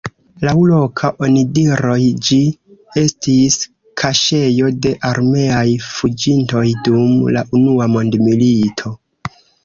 Laŭ loka onidiroj ĝi estis kaŝejo de armeaj fuĝintoj dum la unua mondmilito.